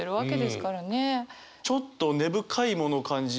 ちょっと根深いものを感じますよね。